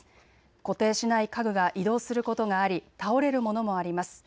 固定しない家具が移動することがあり、倒れるものもあります。